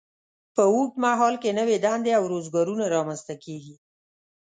په اوږد مهال کې نوې دندې او روزګارونه رامینځته کیږي.